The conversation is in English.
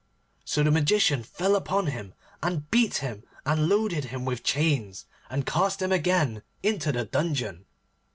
So the Magician fell upon him, and beat him, and loaded him with chains, and cast him again into the dungeon.